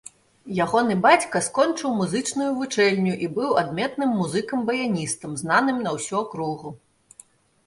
Ягоны бацька скончыў музычную вучэльню і быў адметным музыкам-баяністам, знаным на ўсю акругу.